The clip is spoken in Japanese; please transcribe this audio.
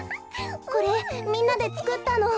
これみんなでつくったの。